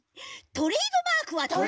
トレードマークは。